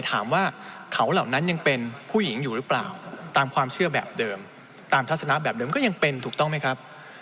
ถามว่าเขาเหล่านั้นยังเป็นผู้หญิงอยู่หรือเปล่าตามความเชื่อแบบเดิมตามทัศนะแบบเดิมก็ยังเป็นถูกต้องไหมครับ